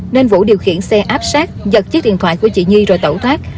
nên vũ điều khiển xe áp sát giật chiếc điện thoại của chị nhi rồi tẩu thoát